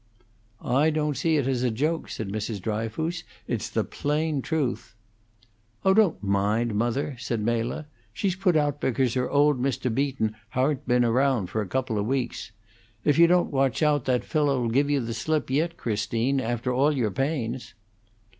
"I don't see as it's a joke," said Mrs. Dryfoos. "It's the plain truth." "Oh, don't mind her, mother," said Mela. "She's put out because her old Mr. Beaton ha'r't been round for a couple o' weeks. If you don't watch out, that fellow 'll give you the slip yit, Christine, after all your pains."